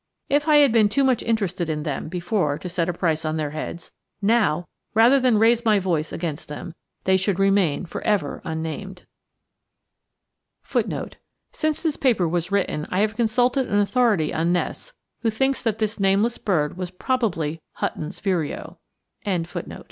If I had been too much interested in them before to set a price on their heads; now, rather than raise my voice against them, they should remain forever unnamed. FOOTNOTE: Since this paper was written, I have consulted an authority on nests, who thinks that this nameless bird was probably Hutton's vireo. XII. HUMMERS.